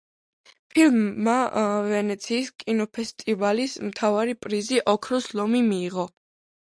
ფილმმა ვენეციის კინოფესტივალის მთავარი პრიზი ოქროს ლომი მიიღო.